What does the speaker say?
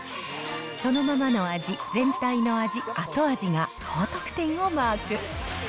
そのままの味、全体の味、後味が高得点をマーク。